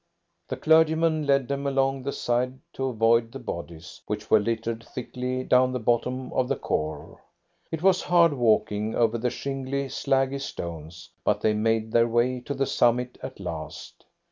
The clergyman led them along the side to avoid the bodies which were littered thickly down the bottom of the khor. It was hard walking over the shingly, slaggy stones, but they made their way to the summit at last.